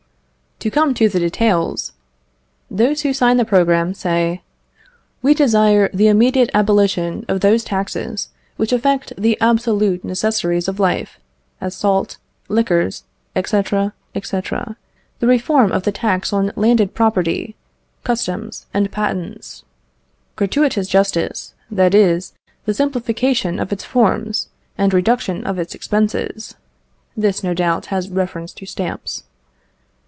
To come to the details: Those who sign the programme say, "We desire the immediate abolition of those taxes which affect the absolute necessaries of life, as salt, liquors, &c., &c. "The reform of the tax on landed property, customs, and patents. "Gratuitous justice that is, the simplification of its forms, and reduction of its expenses," (This, no doubt, has reference to stamps.)